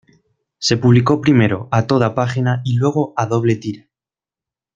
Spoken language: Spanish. Se publicó primero a toda página y luego a doble tira.